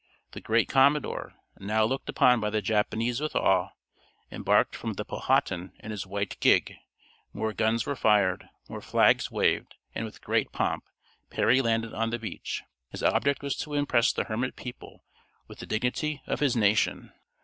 The great commodore, now looked upon by the Japanese with awe, embarked from the Powhatan in his white gig; more guns were fired; more flags waved; and with great pomp, Perry landed on the beach. His object was to impress the hermit people with the dignity of his nation.